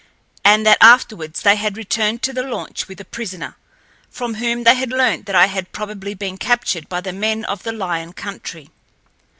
And that afterward they had returned to the launch with a prisoner, from whom they had learned that I had probably been captured by the men of the lion country.